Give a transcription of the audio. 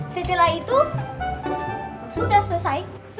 setelah itu sudah selesai